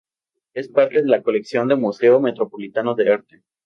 Es parte de la colección del Museo Metropolitano de Arte.